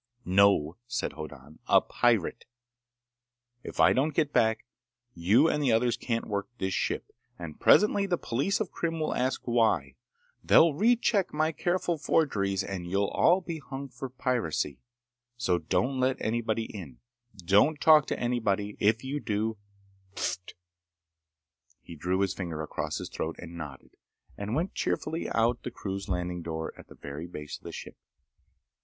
"No," said Hoddan. "A pirate. If I don't get back, you and the others can't work this ship, and presently the police of Krim will ask why. They'll recheck my careful forgeries, and you'll all be hung for piracy. So don't let anybody in. Don't talk to anybody. If you do—pfft!" He drew his finger across his throat, and nodded, and went cheerfully out the crew's landing door in the very base of the ship.